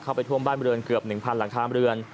เข้าไปท่วมบ้านบริเวณเกือบ๑๐๐หลังคาเรือน